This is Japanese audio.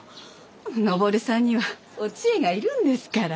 登さんにはおちえがいるんですから。